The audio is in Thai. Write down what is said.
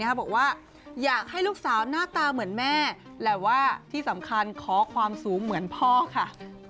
บอกว่าอยากให้ลูกสาวหน้าตาเหมือนแม่แต่ว่าที่สำคัญขอความสูงเหมือนพ่อค่ะ